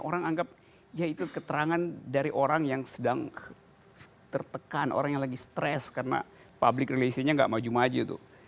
orang anggap ya itu keterangan dari orang yang sedang tertekan orang yang lagi stres karena public relationnya nggak maju maju tuh